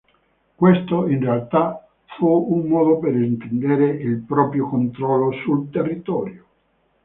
Questo in realtà fu un modo per estendere il proprio controllo sul territorio.